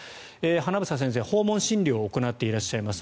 英先生、訪問診療を行ってらっしゃいます。